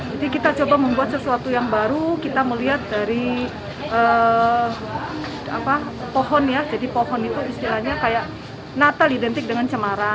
jadi kita coba membuat sesuatu yang baru kita melihat dari pohon ya jadi pohon itu istilahnya kayak natal identik dengan cemara